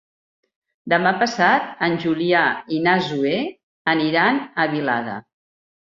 Demà passat en Julià i na Zoè aniran a Vilada.